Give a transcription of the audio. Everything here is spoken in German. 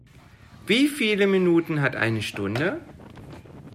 Wie viele Minuten hat eine Stunde?